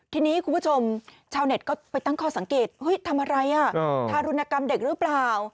ทีนี้คุณผู้ชมชาวเน็ตก็ไปตั้งข้อสังเกตทำอะไรทารุณกรรมเด็กหรือเปล่า